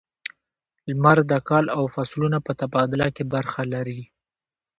• لمر د کال او فصلونو په تبادله کې برخه لري.